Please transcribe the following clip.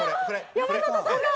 山里さんの？